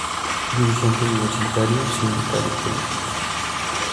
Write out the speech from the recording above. Dirigente universitario, sindical y político.